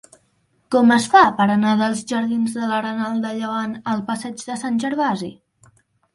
Com es fa per anar dels jardins de l'Arenal de Llevant al passeig de Sant Gervasi?